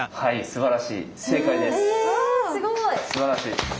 すばらしい。